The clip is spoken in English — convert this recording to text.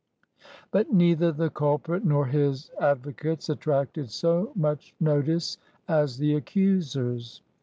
But neither the culprit nor his advocates attracted so much notice as the accusers.